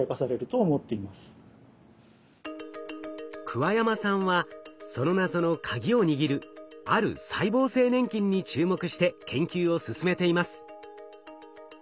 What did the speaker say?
桑山さんはその謎のカギを握るある細胞性粘菌に注目して研究を進めています。